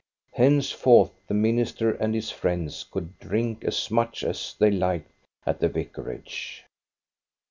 Henceforth the minister and his friends could drink as much as they liked at the vicarage.